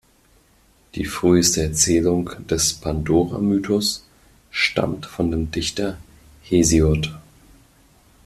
Die früheste Erzählung des Pandora-Mythos stammt von dem Dichter Hesiod.